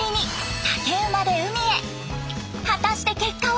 果たして結果は。